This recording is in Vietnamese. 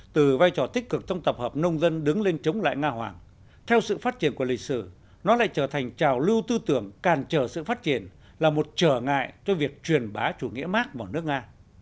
từ vai trò tích cực trong tập hợp nông dân đứng lên chống lại nga hoàng theo sự phát triển của lịch sử nó lại trở thành trào lưu tư tưởng càn trở sự phát triển là một trở ngại cho việc truyền bá chủ nghĩa mark vào nước nga